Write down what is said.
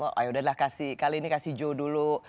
oh yaudahlah kali ini kasih jo dulu